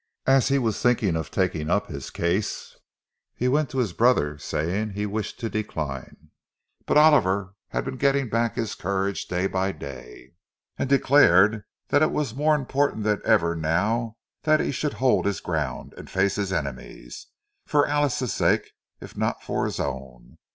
As he was thinking of taking up his case, he went to his brother, saying that he wished to decline; but Oliver had been getting back his courage day by day, and declared that it was more important than ever now that he should hold his ground, and face his enemies—for Alice's sake, if not for his own.